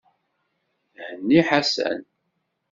Henni Ḥasan.